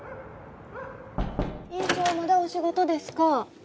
院長まだお仕事ですか？